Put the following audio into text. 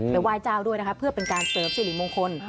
ไปไหว้เจ้าด้วยเพื่อเป็นการเสิร์ฟสิริมงคล